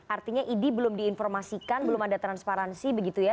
artinya idi belum diinformasikan belum ada transparansi begitu ya